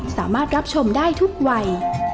สามารถรับชมได้ทุกวัย